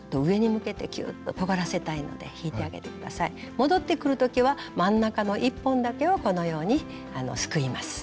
戻ってくる時は真ん中の１本だけをこのようにすくいます。